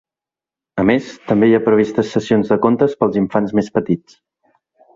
A més, també hi ha previstes sessions de contes per als infants més petits.